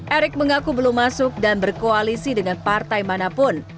erick mengaku belum masuk dan berkoalisi dengan partai manapun